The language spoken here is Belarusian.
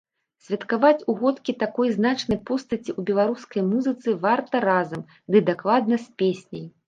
Святкаваць угодкі такой значнай постаці ў беларускай музыцы варта разам, ды дакладна з песняй.